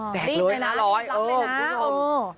แจกเลยละร้อยเออคุณผู้ชม